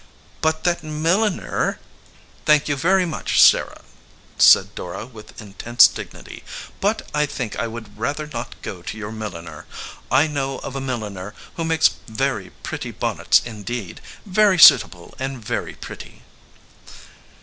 "But that milliner " "Thank you very much, Sarah," said Dora with intense dignity, "but I think I would rather not go to your milliner. I know of a milliner who makes very pretty bonnets indeed, very suitable and very pretty."